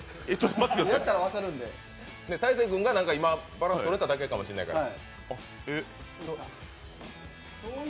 大晴君が今はバランスとれただけかもしれんから。